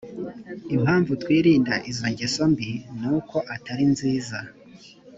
impamvu twirinda izo ngeso mbi ni uko atarinziza.